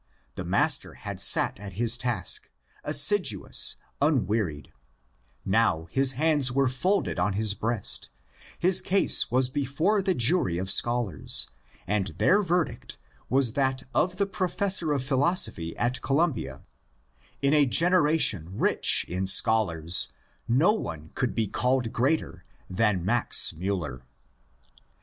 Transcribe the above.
The master had sat at his task, assiduous, unwearied ; now his hands were folded on his breast ; his case was before the jury of scholars, and their verdict was that of the professor of philosophy at Columbia : ^^In a generation rich in scholars no one could be called greater than Max Miiller."